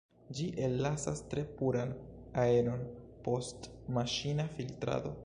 Ĝi ellasas tre puran aeron, post maŝina filtrado.